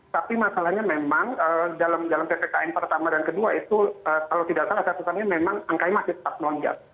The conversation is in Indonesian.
tapi masalahnya memang dalam ppkm pertama dan kedua itu kalau tidak salah satunya memang angkanya masih tetap melonjak